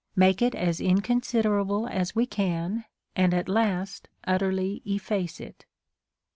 make it as inconsiderable as we can, and at last utterly eff"ace it.